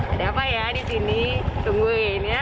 ada apa ya di sini tungguin ya